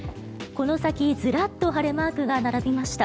この先、ずらっと晴れマークが並びました。